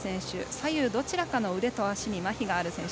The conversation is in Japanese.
左右どちらかの腕と足に障がいがある選手。